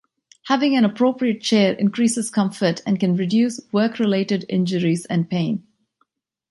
Having an appropriate chair increases comfort and can reduce work-related injuries and pain.